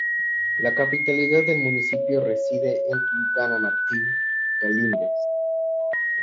La capitalidad del municipio reside en Quintana-Martín Galíndez.